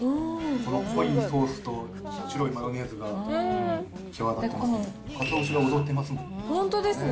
この濃いソースと白いマヨネーズが際立ってますね。